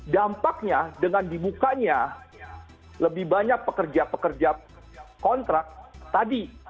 dampaknya dengan dibukanya lebih banyak pekerja pekerja kontrak tadi